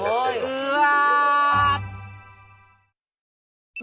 うわ！